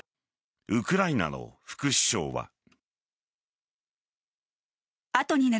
ウクライナの副首相は。